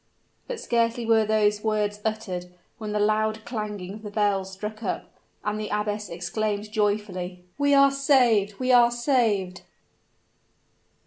But scarcely were those words uttered, when the loud clanging of the bell struck up; and the abbess exclaimed joyfully, "We are saved! we are saved!"